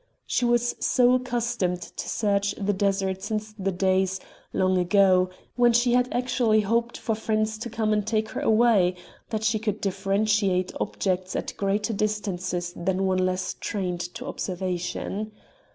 She was so accustomed to search the desert since the days, long ago, when she had actually hoped for friends to come and take her away, that she could differentiate objects at greater distances than one less trained to observation.